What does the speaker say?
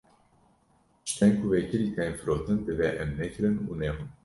Tiştên ku vekirî tên firotin divê em nekirin û nexwin.